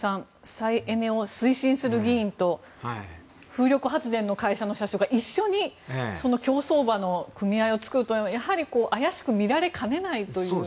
再エネを推進する議員と風力発電の会社の社長が一緒に競走馬の組合を作るというのはやはり、怪しく見られかねないという。